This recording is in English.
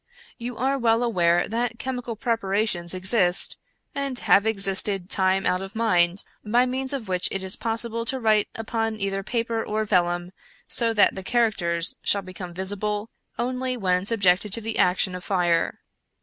You are well aware that chemical preparations exist, and have existed time out of mind, by means of which it is possible to write upon either paper or vellum, so that the characters shall become visible only when subjected to the action of fire.